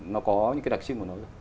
nó có những cái đặc trưng của nó